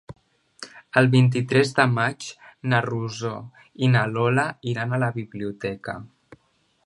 El vint-i-tres de maig na Rosó i na Lola iran a la biblioteca.